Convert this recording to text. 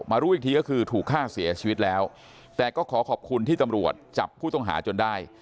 รู้อีกทีก็คือถูกฆ่าเสียชีวิตแล้วแต่ก็ขอขอบคุณที่ตำรวจจับผู้ต้องหาจนได้